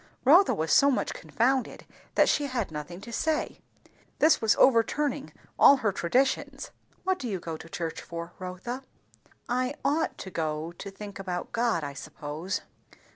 Rotha was so much confounded that she had nothing to say. This was overturning all her traditions. "What do you go to church for, Rotha?" "I ought to go to think about God, I suppose."